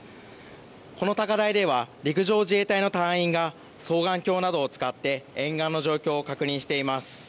この高台では陸上自衛隊の隊員が双眼鏡などを使って沿岸の状況を確認しています。